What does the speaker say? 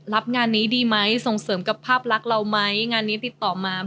รับงานนี้ดีไหมส่งเสริมกับภาพรักเราไหม